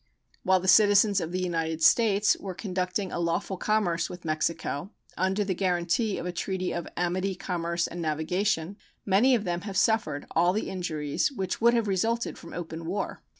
While the citizens of the United States were conducting a lawful commerce with Mexico under the guaranty of a treaty of "amity, commerce, and navigation," many of them have suffered all the injuries which would have resulted from open war.